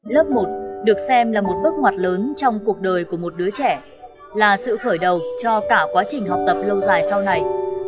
lớp một được xem là một bước ngoặt lớn trong cuộc đời của một đứa trẻ là sự khởi đầu cho cả quá trình học tập lâu dài sau này